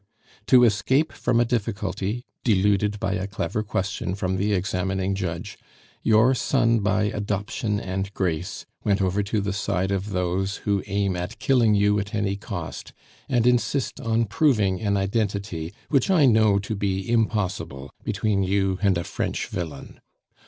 To escape from a difficulty, deluded by a clever question from the examining judge, your son by adoption and grace went over to the side of those who aim at killing you at any cost, and insist on proving an identity, which I know to be impossible, between you and a French villain.